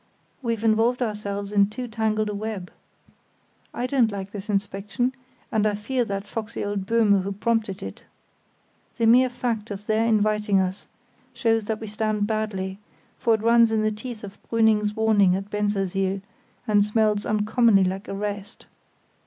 We've involved ourselves in too tangled a web. I don't like this inspection, and I fear that foxy old Böhme who prompted it. The mere fact of their inviting us shows that we stand badly; for it runs in the teeth of Brüning's warning at Bensersiel, and smells uncommonly like arrest.